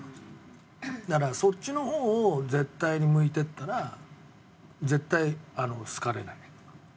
だからそっちの方を絶対に向いていったら絶対好かれない。